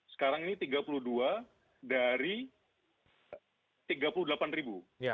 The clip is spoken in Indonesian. sekarang ini tiga puluh dua dari tiga puluh delapan ribu